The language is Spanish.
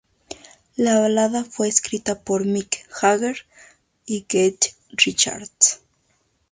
La balada fue escrita por Mick Jagger y Keith Richards.